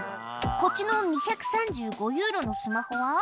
「こっちの２３５ユーロのスマホは？」